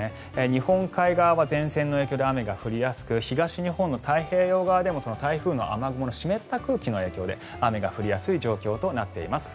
日本海側は前線の影響で雨が降りやすく東日本の太平洋側でも台風の雨雲の湿った空気の影響で雨が降りやすい状況となっています。